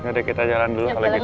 udah kita jalan dulu kalau gitu